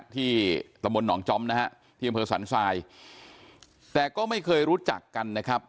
ตำบลหนองจอมนะฮะที่อำเภอสันทรายแต่ก็ไม่เคยรู้จักกันนะครับ